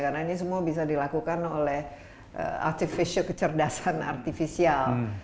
karena ini semua bisa dilakukan oleh kecerdasan artifisial